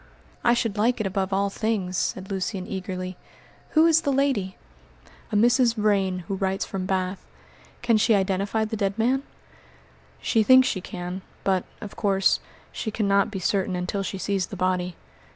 "I should like it above all things," said Lucian eagerly. "Who is the lady?" "A Mrs. Vrain, who writes from Bath." "Can she identify the dead man?" "She thinks she can, but, of course, she cannot be certain until she sees the body.